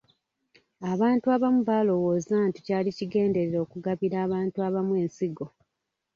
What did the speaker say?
Abantu abamu baalowooza nti kyali kigenderere okugabira abantu abalondemu ensigo .